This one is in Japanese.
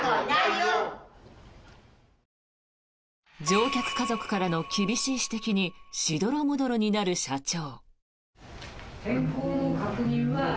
乗客家族からの厳しい指摘にしどろもどろになる社長。